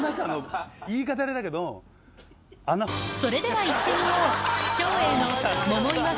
それではいってみよう！